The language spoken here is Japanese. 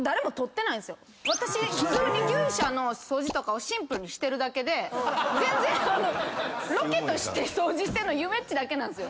私普通に牛舎の掃除とかをシンプルにしてるだけで全然ロケとして掃除してんのゆめっちだけなんですよ。